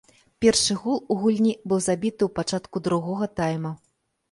Першы гол у гульні быў забіты ў пачатку другога тайма.